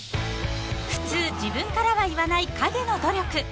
［普通自分からは言わない陰の努力］